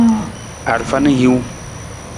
Arafa na hiwung.